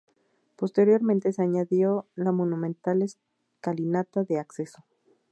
Posteriormente se añadió la monumental escalinata de acceso.